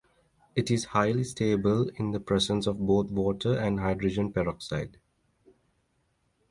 It is highly stable in the presence of both water and hydrogen peroxide.